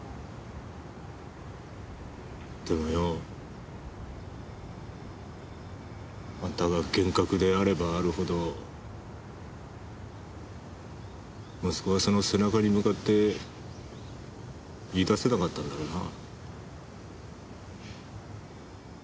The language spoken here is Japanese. でもよあんたが厳格であればあるほど息子はその背中に向かって言い出せなかったんだろうな。